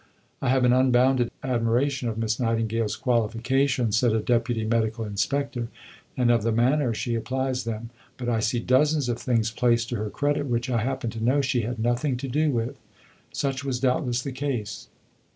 "I have an unbounded admiration of Miss Nightingale's qualifications," said a deputy medical inspector, "and of the manner she applies them, but I see dozens of things placed to her credit which I happen to know she had nothing to do with." Such was doubtless the case.